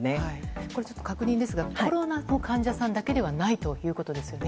これ確認ですがコロナの患者さんだけではないということですね。